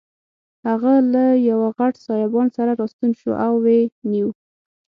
هغه له یوه غټ سایبان سره راستون شو او ویې نیو.